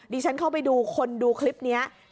ฉันเข้าไปดูคนดูคลิปนี้